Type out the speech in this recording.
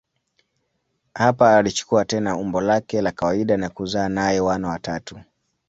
Hapa alichukua tena umbo lake la kawaida na kuzaa naye wana watatu.